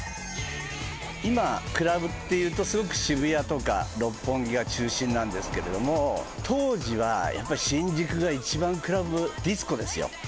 今クラブっていうと渋谷とか六本木が中心なんですけれども当時はやっぱり新宿が一番クラブディスコですよ